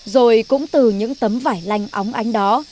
rồi cũng từ những tấm vải lanh óng ánh đó